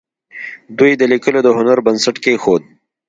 دوی د لیکلو د هنر بنسټ کېښود.